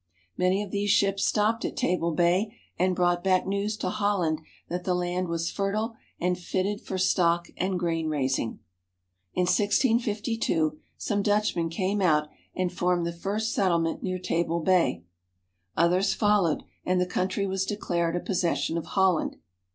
Many of these ships stopped at Table Bay and brought back news to Holland that the land was fertile and fitted for stock and grain raising. In 1653 some Dutchmen came out and formed the first settlement near Table Bay. Others fol 321 ^H ^ lowed, and the country was declared a possession of J Holland.